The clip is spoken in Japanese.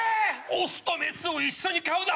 オスとメスを一緒に飼うな！